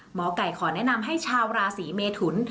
หมอไก่ขอแนะนำให้ชาวราศีเมทุน